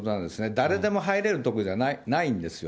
誰でも入れる所じゃないんですよ。